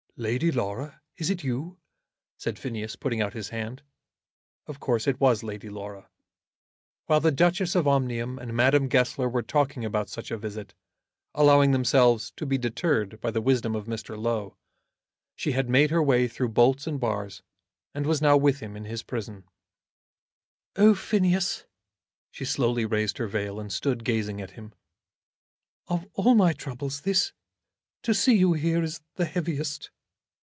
"Lady Laura, is it you?" said Phineas, putting out his hand. Of course it was Lady Laura. While the Duchess of Omnium and Madame Goesler were talking about such a visit, allowing themselves to be deterred by the wisdom of Mr. Low, she had made her way through bolts and bars, and was now with him in his prison. [Illustration: Of course it was Lady Laura.] "Oh, Phineas!" She slowly raised her veil, and stood gazing at him. "Of all my troubles this, to see you here, is the heaviest."